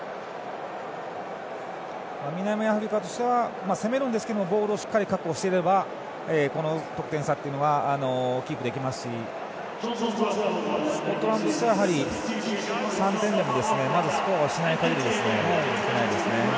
南アフリカとしては攻めるんですけどボールをしっかり確保していればこの得点差はキープできますしスコットランドとしては３点でもまず、スコアをしない限りは勝てないですね。